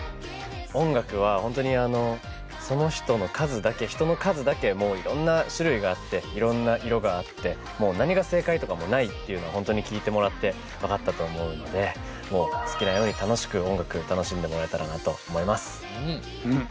音楽は本当にその人の数だけ人の数だけいろんな種類があっていろんな色があってもう何が正解とかもないっていうのは本当に聴いてもらって分かったと思うのでもう好きなように楽しく音楽を楽しんでもらえたらなと思います。